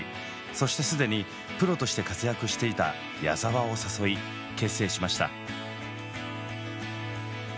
そして既にプロとして活躍していた矢沢を誘い結成しました。